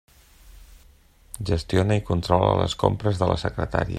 Gestiona i controla les compres de la secretaria.